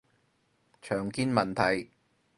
常見問題